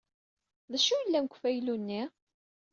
D acu yellan deg ufaylu-nni?